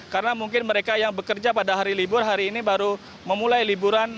karena mungkin mereka yang bekerja pada hari libur hari ini baru memulai liburan